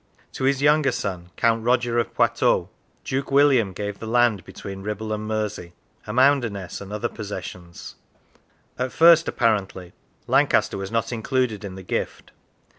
To his younger son, Count Roger of Poitou, Duke William gave the land between Ribble and Mersey, Amounderness, and other possessions. At first, apparently, Lancaster was not included in the gift.